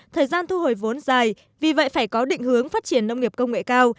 thời gian thu hồi vốn dài vì vậy phải có định hướng phát triển nông nghiệp công nghệ cao